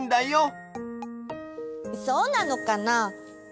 そうなのかな。